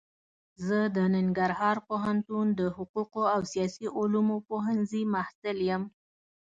زه د ننګرهار پوهنتون د حقوقو او سیاسي علومو پوهنځي محصل يم.